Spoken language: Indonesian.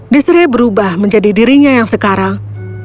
desri berubah menjadi dirinya yang sekarang